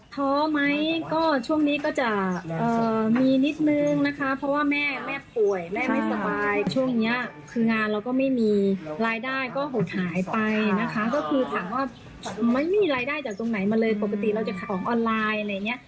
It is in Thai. ท้อไหมก็ช่วงนี้ก็จะมีนิดนึงนะคะเพราะว่าแม่แม่ป่วยแม่ไม่สบายช่วงนี้คืองานเราก็ไม่มีรายได้ก็หดหายไปนะคะก็คือถามว่าไม่มีรายได้จากตรงไหนมาเลยปกติเราจะขายของออนไลน์อะไรอย่างเงี้ย